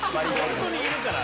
本当にいるかな？